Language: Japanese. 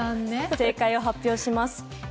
正解を発表します。